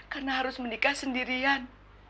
karena harus menikah sendirian